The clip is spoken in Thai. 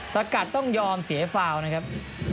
สกัดต้องยอมเสียฟาวนะครับ